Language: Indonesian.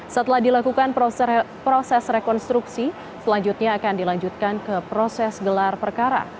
setelah dilakukan proses rekonstruksi selanjutnya akan dilanjutkan ke proses gelar perkara